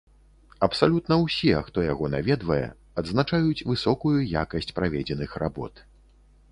Абсалютна ўсе, хто яго наведвае, адзначаюць высокую якасць праведзеных работ.